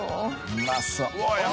うまそう。